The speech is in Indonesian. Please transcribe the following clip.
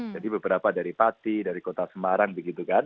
beberapa dari pati dari kota semarang begitu kan